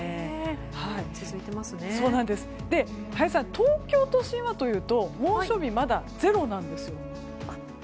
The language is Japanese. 東京都心はというと猛暑日まだゼロなんです。